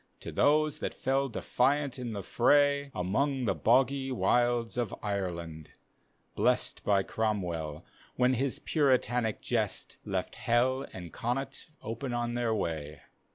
To those that fell defiant in the fray. Among the hoggs wilds of Ireland, blest By Cromwell, when his Puritanic jest Left Hell and Connaught open on their way.